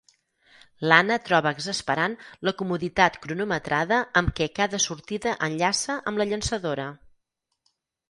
L'Anna troba exasperant la comoditat cronometrada amb què cada sortida enllaça amb la llançadora.